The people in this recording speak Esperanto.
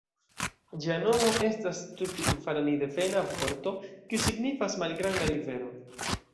Ĝia nomo estas tupigvarani-devena vorto, kiu signifas "malgranda rivero".